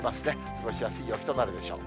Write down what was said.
過ごしやすい陽気となるでしょう。